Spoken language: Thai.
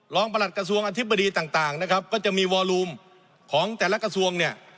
ประหลัดกระทรวงอธิบดีต่างนะครับก็จะมีวอลูมของแต่ละกระทรวงเนี่ย